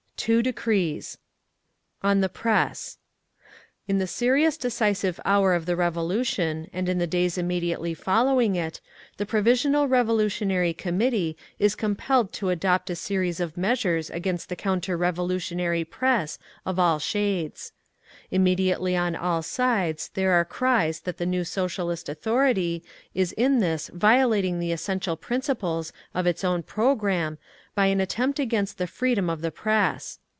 TWO DECREES On the Press In the serious decisive hour of the Revolution and the days immediately following it, the Provisional Revolutionary Committee is compelled to adopt a series of measures against the counter revolutionary press of all shades. Immediately on all sides there are cries that the new Socialist authority is in this violating the essential principles of its own programme by an attempt against the freedom of the press.